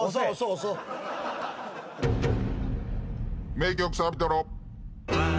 名曲サビトロ。